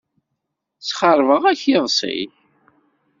Sxeṛbeɣ-ak iḍes-ik.